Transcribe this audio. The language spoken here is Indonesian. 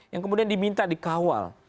yang kemudian diminta dikawal